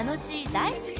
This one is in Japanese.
大好き！」